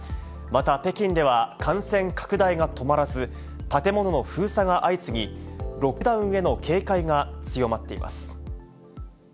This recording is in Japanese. また、北京では感染拡大が止まらず、建物の封鎖が相次ぎ、ロックダウンへの警戒が強まっています。